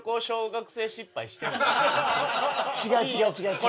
違う違う違う違う違う。